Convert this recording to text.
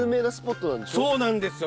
そうなんですよ。